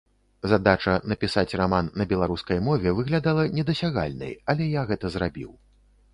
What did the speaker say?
Задача напісаць раман на беларускай мове выглядала недасягальнай, але я гэта зрабіў.